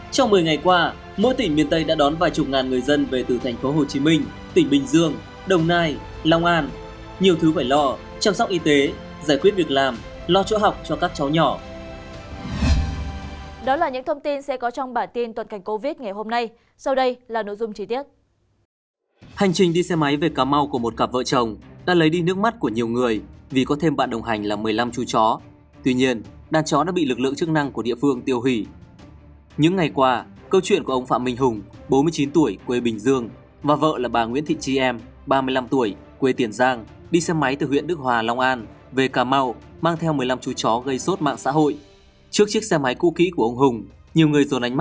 trong một mươi ngày qua mỗi tỉnh miễn phí đầu tiên đã xuất phát trở người dân về quê nghệ an sau nhiều ngày rong rủi xe máy từ các tỉnh phía nam